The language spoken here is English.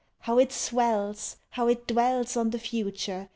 How it swells! How it dwells On the Future!